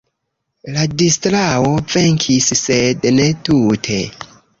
Ladislao venkis, sed ne tute.